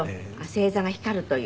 星座が光るという。